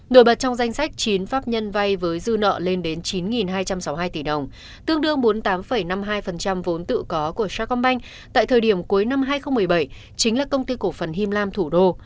nổi bật trong danh sách chín pháp nhân vay với dư nợ lên đến chín hai trăm sáu mươi hai tỷ đồng tương đương bốn mươi tám năm mươi hai vốn tự có của chatcombank tại thời điểm cuối năm hai nghìn một mươi bảy chính là công ty cổ phần him lam thủ đô